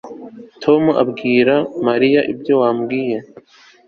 Tom bwira Mariya ibyo wambwiye